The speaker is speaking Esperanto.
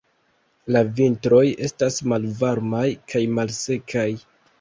La vintroj estas malvarmaj kaj malsekaj.